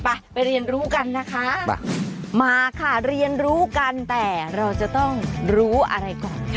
ไปไปเรียนรู้กันนะคะมาค่ะเรียนรู้กันแต่เราจะต้องรู้อะไรก่อนค่ะ